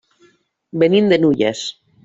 Venim de Nulles.